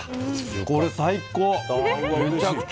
これ最高。